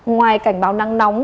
ngoài cảnh báo nắng nóng